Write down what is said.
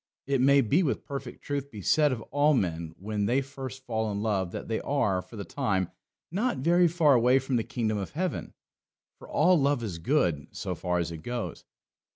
It may with perfect truth be said of all men when they first fall in love that they are, for the time, not very far away from the kingdom of heaven. For all love is good, so far as it goes.